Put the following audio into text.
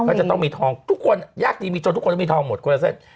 เขาจะต้องมีทองทุกคนยากที่มีทองทุกคนจะมีทองหมดคนละเส้น